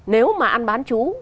nếu mà ăn bán chú